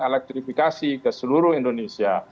elektrifikasi ke seluruh indonesia